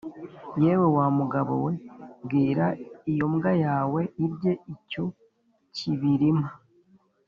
yewe wa mugabo we, bwira iyo mbwa yawe irye icyo kibirima